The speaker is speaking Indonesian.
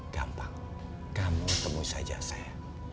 gampang kamu temu saja saya